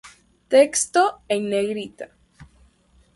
Texto en negrita